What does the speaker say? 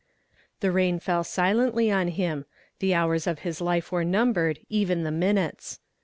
The rain fell silently on him; the hours of his life were numbered, even the minutes.